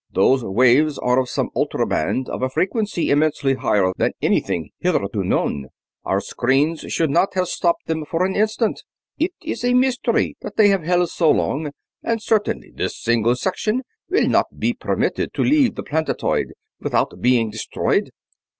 "Those waves are of some ultra band, of a frequency immensely higher than anything heretofore known. Our screens should not have stopped them for an instant. It is a mystery that they have held so long, and certainly this single section will not be permitted to leave the planetoid without being destroyed."